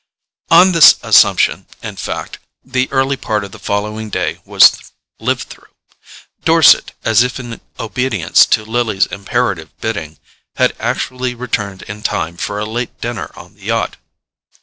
On this assumption, in fact, the early part of the following day was lived through. Dorset, as if in obedience to Lily's imperative bidding, had actually returned in time for a late dinner on the yacht.